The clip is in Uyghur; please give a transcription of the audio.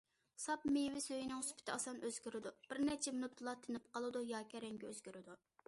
ساپ مېۋە سۈيىنىڭ سۈپىتى ئاسان ئۆزگىرىدۇ، بىرنەچچە مىنۇتتىلا تىنىپ قالىدۇ ياكى رەڭگى ئۆزگىرىدۇ.